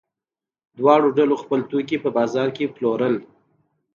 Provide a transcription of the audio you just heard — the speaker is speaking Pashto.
دواړو ډلو خپل توکي په بازار کې پلورل.